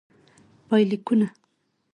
پایلیکونه: